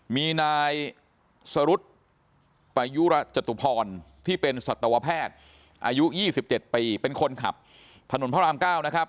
มีนายสรุธจตุพรที่เป็นสัตวแพทย์อายุ๒๗ปีเป็นคนขับถนนพระราม๙นะครับ